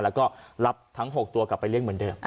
แล้วก็รับทั้ง๖ตัวกลับไปเลี้ยงเหมือนเดิม